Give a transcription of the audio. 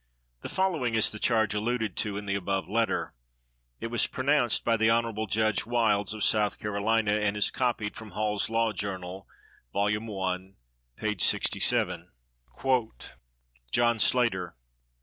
The following is the "charge" alluded to in the above letter. It was pronounced by the Honorable Judge Wilds, of South Carolina, and is copied from Hall's Law Journal, I. 67. John Slater!